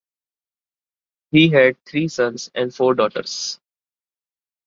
He had three sons and four daughters.